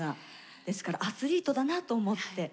ですからアスリートだなと思って。